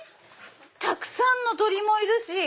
⁉たくさんの鳥もいるし。